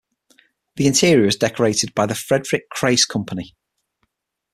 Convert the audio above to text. The interior was decorated by the Frederick Crace Company.